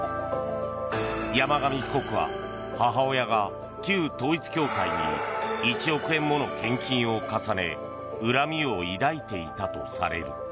山上被告は、母親が旧統一教会に１億円もの献金を重ね恨みを抱いていたとされる。